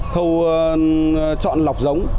khâu chọn lọc giống